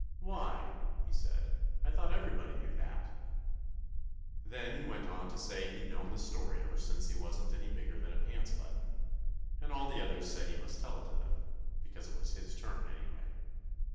"'Why,' he said, 'I thought everybody knew that!' Then he went on to say that he'd known the story ever since he wasn't 'any bigger than a pants button,' and all the others said he must tell it to them, because it was his turn, anyway.